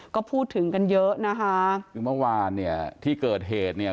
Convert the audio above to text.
ก็พูดถึงกันเยอะนะคะคือเมื่อวานเนี่ยที่เกิดเหตุเนี่ย